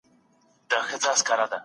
که ممکن وه هغه علتونه ليري کړئ.